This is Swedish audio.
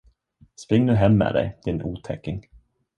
Spring nu hem med dig, din otäcking!